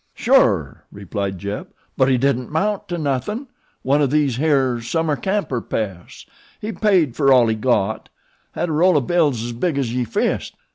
"Sure," replied Jeb; "but he didn't 'mount to nothin'. One o' these here summer camper pests. He paid fer all he got. Had a roll o' bills 's big as ye fist.